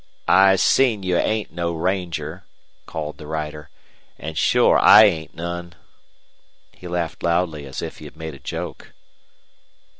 "I seen you ain't no ranger," called the rider, "an' shore I ain't none." He laughed loudly, as if he had made a joke.